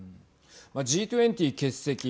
Ｇ２０欠席。